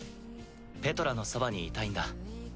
ペトラのそばにいたいんだ。